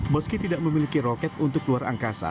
meski tidak memiliki roket untuk luar angkasa